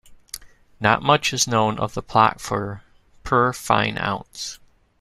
Not much is known of the plot for "Per Fine Ounce".